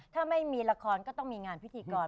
ถ้าไม่มีละครก็ต้องมีงานพิธีกร